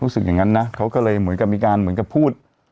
รู้สึกอย่างนั้นนะเขาก็เลยเหมือนกับมีการเหมือนกับพูด